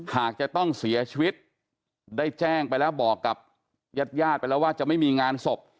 หากจะต้องเสียชีวิตได้แจ้งไปแล้วบอกกับญาติญาติไปแล้วว่าจะไม่มีงานศพ